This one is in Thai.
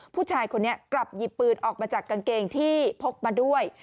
ผู้ชายคนนี้กลับหยิบปืนออกมาจากกางเกงที่พกมาด้วย